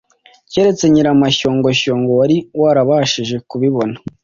keretse Nyiramashyongoshyo wari warabashije kubibona,